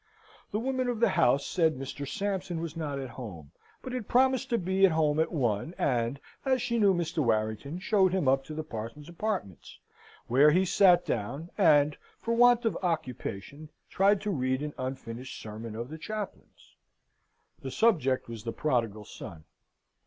The woman of the house said Mr. Sampson was not at home, but had promised to be at home at one; and, as she knew Mr. Warrington, showed him up to the parson's apartments, where he sate down, and, for want of occupation, tried to read an unfinished sermon of the chaplain's. The subject was the Prodigal Son.